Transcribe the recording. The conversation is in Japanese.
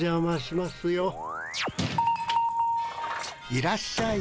・いらっしゃい。